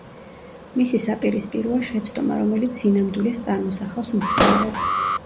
მისი საპირისპიროა შეცდომა, რომელიც სინამდვილეს წარმოსახავს მცდარად.